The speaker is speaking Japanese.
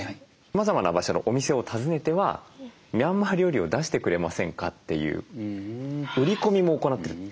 さまざまな場所のお店を訪ねては「ミャンマー料理を出してくれませんか」という売り込みも行ってる。